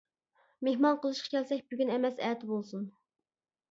مېھمان قىلىشقا كەلسەك بۈگۈن ئەمەس ئەتە بولسۇن.